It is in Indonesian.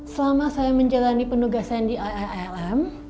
selama saya menjalani penugasan di ialm